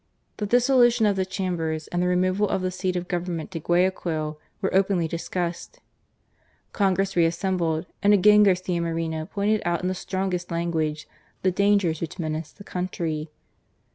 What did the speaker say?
The dissolution of the Chambers and the removal of PARLIAMENTARY OPPOSITION. 71 the seat of Government to Guayaquil were openly discussed. Congress reassembled, and again Garcia Moreno pointed out in the strongest language the dangers which menaced the country.